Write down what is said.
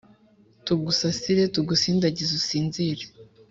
Tugusasire tugusindagize usinzire